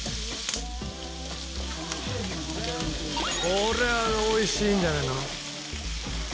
これは美味しいんじゃないの。